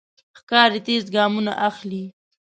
ښکاري تېز ګامونه اخلي.